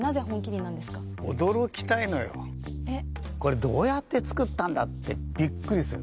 これどうやって作ったんだってびっくりする。